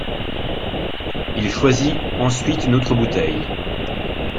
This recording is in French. Il choisit ensuite une autre bouteille.